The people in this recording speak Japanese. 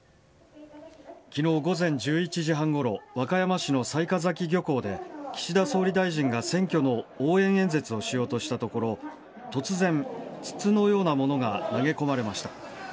昨日午前１１時半ごろ和歌山市の雑賀崎漁港で岸田総理大臣が選挙の応援演説をしようとしたところ突然、筒のようなものが投げ込まれました。